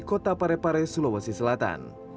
kota parepare sulawesi selatan